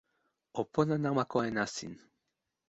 o pona namako e nasin.